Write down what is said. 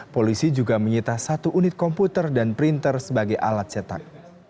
polisi juga menyita satu unit komputer dan printer sebagai alat cetak